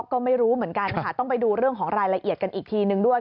ก็ไม่รู้เหมือนกันค่ะต้องไปดูเรื่องของรายละเอียดกันอีกทีนึงด้วย